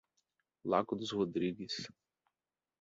Lago dos Rodrigues